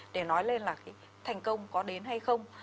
để nói lên là cái thành công có đến hay không